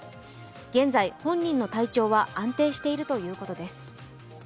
現在、本人の体調は安定しているということです。